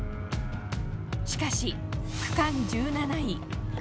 しかし、区間１７位。